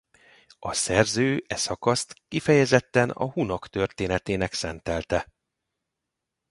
A szerző e szakaszt kifejezetten a hunok történetének szentelte.